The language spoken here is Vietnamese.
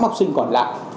của học sinh còn lại